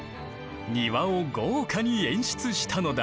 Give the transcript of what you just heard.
庭を豪華に演出したのだ。